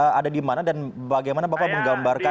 ada di mana dan bagaimana bapak menggambarkan